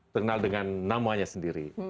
terkenal dengan namanya sendiri